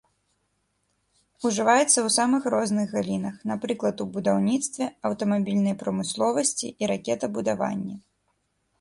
Ужываецца ў самых розных галінах, напрыклад у будаўніцтве, аўтамабільнай прамысловасці і ракетабудаванні.